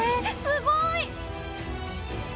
すごい！